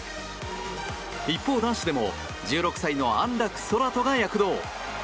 一方、男子でも１６歳の安楽宙斗が躍動。